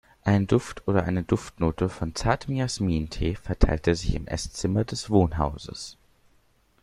Ein Duft oder eine Duftnote von zartem Jasmintee verteilte sich im Esszimmer des Wohnhauses.